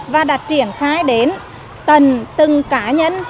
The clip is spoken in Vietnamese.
và đã triển khai đến từng cá nhân